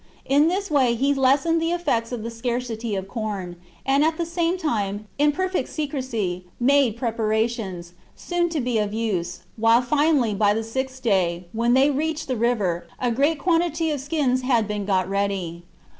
In this way he lessened the effects of the scarcity of corn, and at the same time, in perfect secrecy, made prepara tions, soon to be of use, while finally, by the sixth day, when they reached the river, a great quantity of skins had been got ready.